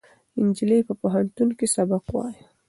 نجلۍ په پوهنتون کې سبق وایه.